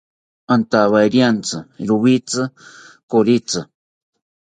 Antawerintzi rowitzi koritzi